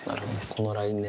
このラインね。